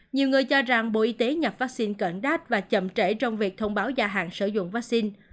nhiều người cho rằng bộ y tế nhập vaccine cận đáp và chậm trễ trong việc thông báo gia hạn sử dụng vaccine